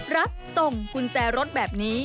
รับส่งกุญแจรถแบบนี้